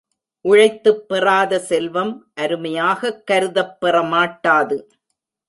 உழைத்துப் பெறாத செல்வம் அருமையாகக் கருதப் பெறமாட்டாது.